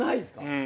うん。